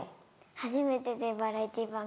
初めてでバラエティー番組。